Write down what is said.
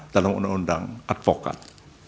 dalam undang undang advokat